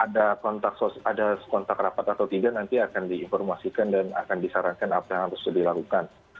dan ada kontak rapat atau tidak nanti akan diinformasikan dan akan disarankan apa yang harus dilakukan